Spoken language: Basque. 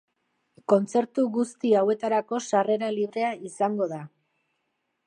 Kontzertu guzti hauetarako sarrera librea izango da.